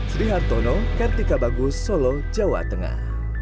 sri hartono kartika bagus solo jawa tengah